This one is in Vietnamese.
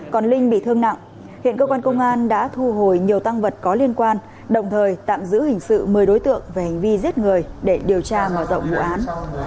còn linh bị thương nặng hiện cơ quan công an đã thu hồi nhiều tăng vật có liên quan đồng thời tạm giữ hình sự một mươi đối tượng về hành vi giết người để điều tra mở rộng vụ án